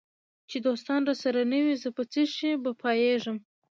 چي دوستان راسره نه وي زه په څشي به پایېږم